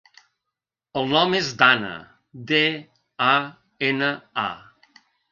El nom és Dana: de, a, ena, a.